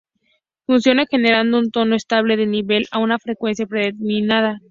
Funciona generando un tono estable de nivel a una frecuencia predeterminada.